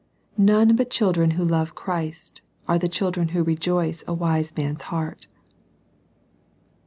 None but children who love Christ are the children who rejoice a wise man's heart.